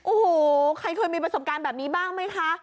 อู้หูใครเคยมีประสบการณ์แบบนี้บ้างมั้ยคะ